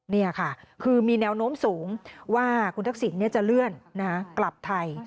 นี่ค่ะคือมีแนวโน้มสูงว่าคุณทักษิณจะเลื่อนกลับไทย